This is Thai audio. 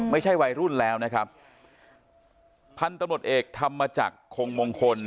ไม่ใช่วัยรุ่นแล้วนะครับพันธุ์ตำรวจเอกธรรมจักรคงมงคล